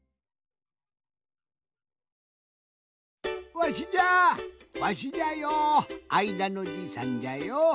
わしじゃわしじゃよあいだのじいさんじゃよ。